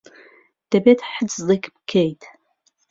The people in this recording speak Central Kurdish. دەبێت حجزێک بکەیت.